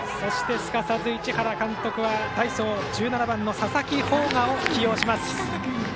すかさず市原監督は代走、佐々木萌賀を起用します。